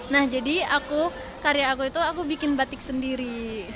nah jadi karya aku itu aku bikin batik sendiri